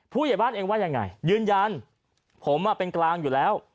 ผู้ใหญ่บ้านเองว่ายังไงยืนยันผมเป็นกลางอยู่แล้ว